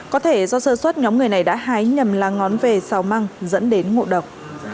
có thể do sơ suất nhóm người này đã hái nhầm lá ngón về xào măng dẫn đến ngộ độc